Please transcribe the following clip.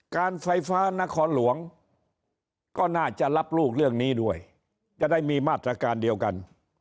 การไฟฟ้านครหลวงก็น่าจะรับลูกเรื่องนี้ด้วยจะได้มีมาตรการเดียวกัน